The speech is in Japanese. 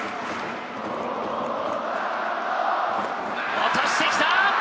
落としてきた！